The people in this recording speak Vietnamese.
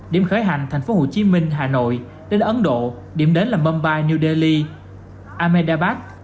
điểm khởi hành thành phố hồ chí minh hà nội đến ấn độ điểm đến là mâmbai new delhi amedabat